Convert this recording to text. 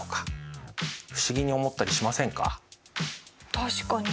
確かに。